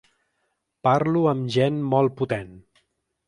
Parlo amb gent molt potent.